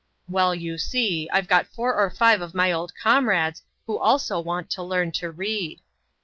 "Well, you see, I've got four or five of my old comrades who also want to learn to read."